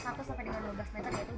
nah sekarang waktunya diving di maratua